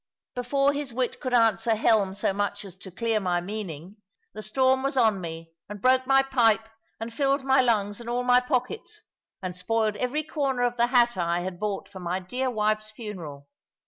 Before his wit could answer helm so much as to clear my meaning, the storm was on me, and broke my pipe, and filled my lungs and all my pockets, and spoiled every corner of the hat I had bought for my dear wife's funeral.